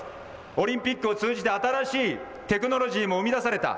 オリンピックを通じて新しいテクノロジーも生み出された。